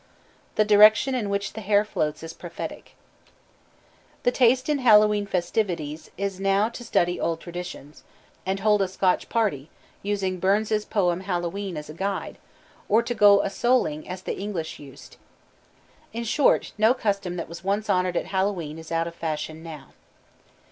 The direction in which the hair floats is prophetic. The taste in Hallowe'en festivities now is to study old traditions, and hold a Scotch party, using Burns's poem Hallowe'en as a guide; or to go a souling as the English used. In short, no custom that was once honored at Hallowe'en is out of fashion now.